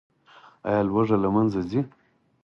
آیا لوږه له منځه ځي؟